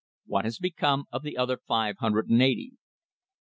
What has become of the other five hundred and eighty?"